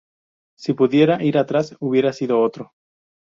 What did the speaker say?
Si pudiera ir atrás, hubiera sido otro.